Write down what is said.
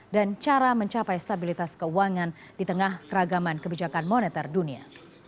dan cara mencapai stabilitas keuangan di tengah keragaman kebijakan moneter dunia